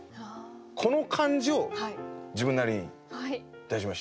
この感じを自分なりに出しました。